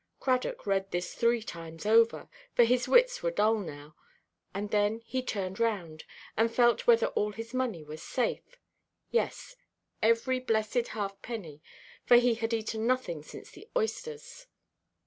Cradock read this three times over, for his wits were dull now, and then he turned round, and felt whether all his money was safe. Yes, every blessed halfpenny, for he had eaten nothing since the oysters.